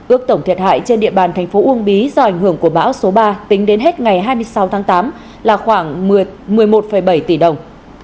ước tổng thiệt hại trên địa bàn thành phố uông bí do ảnh hưởng của bão số ba tính đến hết ngày hai mươi sáu tháng tám là khoảng một mươi một bảy tỷ đồng